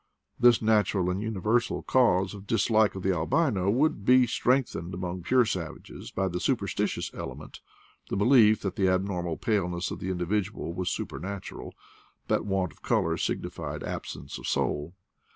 This natural and universal cause of dis SNOW, AND QUALITY OF WHITENESS 113 like of the albino would be strengthened among pure savages by the superstitious element — the belief that the abnormal paleness of the individual was supernatural, that want of color signified absence of soul.